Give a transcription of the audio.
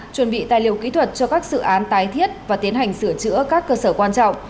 chuẩn bị tài liệu kỹ thuật cho các dự án tái thiết và tiến hành sửa chữa các cơ sở quan trọng